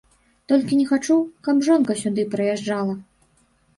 Толькі не хачу, каб жонка сюды прыязджала.